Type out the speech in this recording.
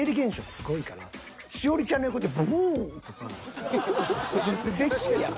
すごいから栞里ちゃんの横でブッとかできんやろ。